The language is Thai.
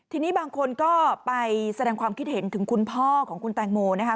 ทีนี้บางคนก็ไปแสดงความคิดเห็นถึงคุณพ่อของคุณแตงโมนะคะ